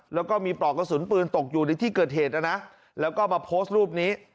แล้วก็มีปลอกกระสุนปืนตกอยู่ในที่เกิดเหตุนะนะแล้วก็มาโพสต์รูปนี้